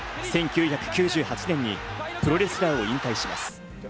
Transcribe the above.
１９９８年にプロレスラーを引退します。